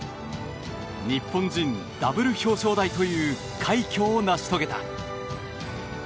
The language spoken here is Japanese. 日本人ダブル表彰台という快挙を成し遂げた。